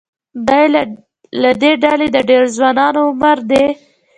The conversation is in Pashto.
له دې ډلې د ډېرو ځوانانو عمر د